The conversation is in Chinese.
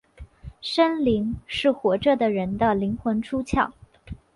生灵是活着的人的灵魂出窍。